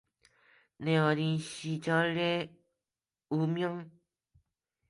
내 어린 시절의 운명을 결정지었던 잊지 못할 한 마디는 바로 그것입니다.